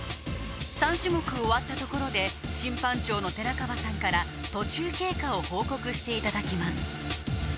３種目終わったところで審判長の寺川さんから途中経過を報告していただきます